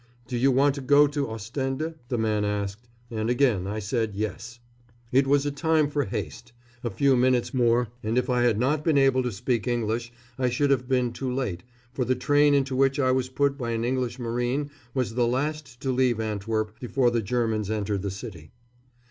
"Do you want to go to Ostende?" the man asked, and again I said "Yes." It was a time for haste. A few minutes more, and if I had not been able to speak English I should have been too late, for the train into which I was put by an English marine was the last to leave Antwerp before the Germans entered the city.